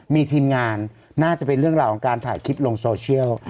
มีทีมงานน่าจะเป็นเรื่องราวของการถ่ายคลิปลงโซเชียล